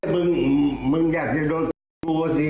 มึงมึงนี่